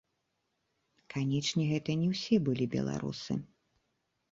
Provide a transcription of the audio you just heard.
Канечне, гэта не ўсе былі беларусы.